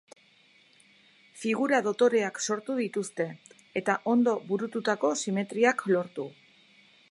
Figura dotoreak sortu dituzte, eta ondo burututako simetriak lortu.